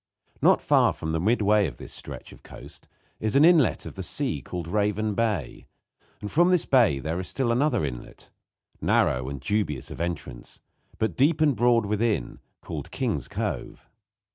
Not far from midway of this stretch of coast is an inlet of the sea, called Raven Bay; and from this bay there is still another inlet, narrow and dubious of entrance, but deep and broad within, called King's Cove.